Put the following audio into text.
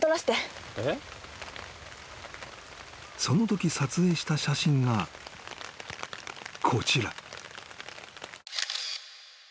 ［そのとき撮影した写真がこちら］